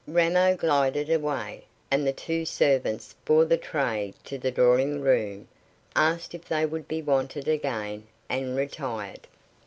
Ramo glided away, and the two servants bore the tray to the drawing room, asked if they would be wanted again, and retired.